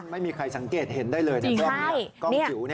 ไม่มีใครสังเกตเห็นได้เลยในกล้องจิ๋ว